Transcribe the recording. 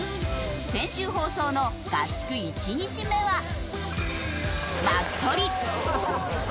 先週放送の合宿１日目は。